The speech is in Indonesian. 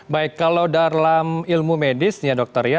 baik kalau dalam ilmu medis ya dokter ya